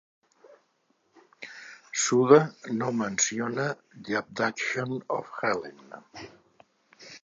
Suda no menciona "The Abduction of Helen".